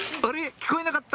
聞こえなかった？